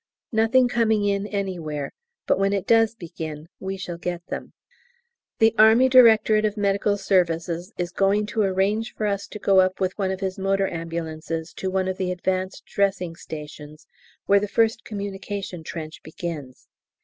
Nothing coming in anywhere, but when it does begin we shall get them. The A.D.M.S. is going to arrange for us to go up with one of his motor ambulances to one of the advance dressing stations where the first communication trench begins!